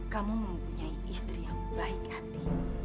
kamu mempunyai istri yang baik hati